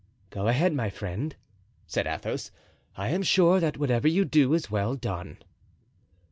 "Go ahead, my friend," said Athos; "I am sure that whatever you do is well done."